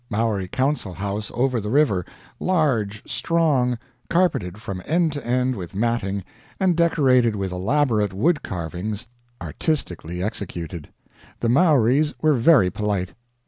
Maori Council House over the river large, strong, carpeted from end to end with matting, and decorated with elaborate wood carvings, artistically executed. The Maoris were very polite.